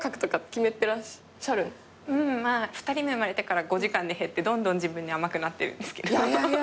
２人目生まれてから５時間に減ってどんどん自分に甘くなってるんですけど。